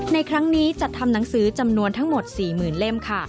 ในครั้งนี้จัดทำหนังสือจำนวนทั้งหมด๔๐๐๐เล่มค่ะ